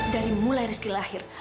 dari mulai rizky lahir